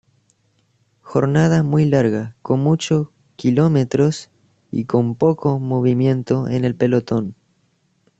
Jornada muy larga, con mucho kilómetros y con poco movimiento en el pelotón.